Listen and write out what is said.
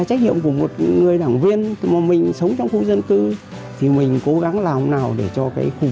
an ninh trật tự